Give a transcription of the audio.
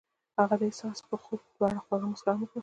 هغې د حساس خوب په اړه خوږه موسکا هم وکړه.